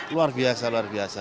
luar biasa luar biasa